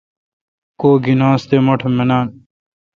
کوگینانس تے مٹھ مناں۔